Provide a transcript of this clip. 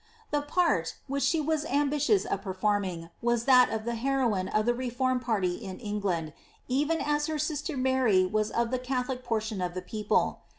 The part, which she was ambitious of performing, was that of hero* ne of the reformed party in England, even as her sister Mary was of the [Catholic portion of the people.